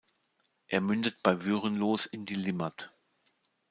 Er mündet bei Würenlos in die Limmat.